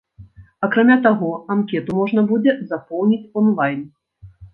Акрамя таго, анкету можна будзе запоўніць онлайн.